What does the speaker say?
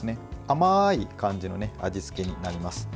甘い感じの味付けになります。